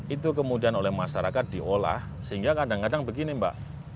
itu kemudian oleh masyarakat diolah sehingga kadang kadang begini mbak